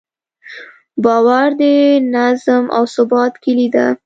باور د نظم او ثبات کیلي ده.